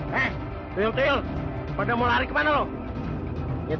beri saya saham ya sudah pergi sekarang